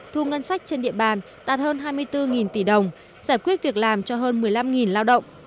thu ngân sách trên địa bàn đạt hơn hai mươi bốn tỷ đồng giải quyết việc làm cho hơn một mươi năm lao động